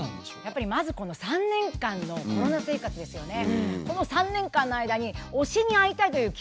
やっぱりまずこの３年間のコロナ生活ですよね。